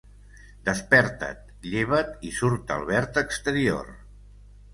Desperta't, lleva't i surt al verd exterior.